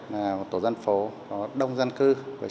là một tổ dân phố có đông dân cư